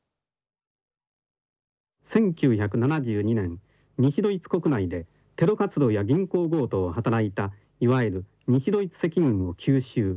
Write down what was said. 「１９７２年西ドイツ国内でテロ活動や銀行強盗を働いたいわゆる西ドイツ赤軍を急襲。